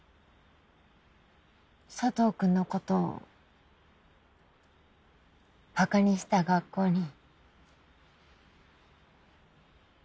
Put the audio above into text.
佐藤君のことバカにした学校に。